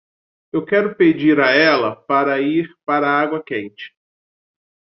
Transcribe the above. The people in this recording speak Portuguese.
Eu quero pedir a ela para ir para a água quente.